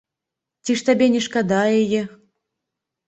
Ці ж табе не шкада яе?